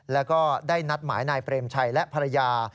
แล้วก็ได้นัดหมายนายเปรมชัยและภรรยา